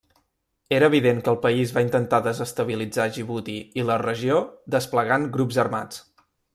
Era evident que el país va intentar desestabilitzar Djibouti i la regió desplegant grups armats.